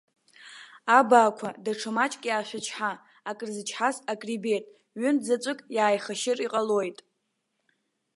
Абаақәа, даҽа маҷк иаашәычҳа, акырзычҳаз акрибеит, ҩынтә заҵәык иааихашыр иҟалоит.